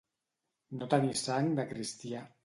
No tenir sang de cristià.